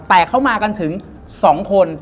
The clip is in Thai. แต่เขามากันถึง๒คน